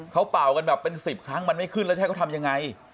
เขาเป่ากันแบบเป็น๑๐ครั้งมันไม่ขึ้นแล้วจะให้เขาทำยังไง